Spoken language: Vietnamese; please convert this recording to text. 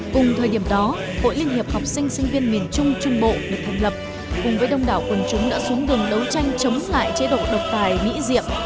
cùng thời điểm đó hội liên hiệp học sinh sinh viên miền trung trung bộ được thành lập cùng với đông đảo quần chúng đã xuống gừng đấu tranh chống lại chế độ độc tài mỹ diệm